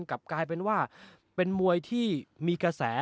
กลับกลายเป็นว่าเป็นมวยที่มีกระแส